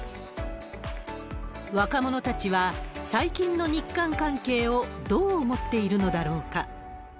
若者たちは、最近の日韓関係をどう見ているのだろうか。